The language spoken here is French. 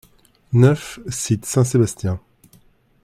neuf cite Saint-Sébastien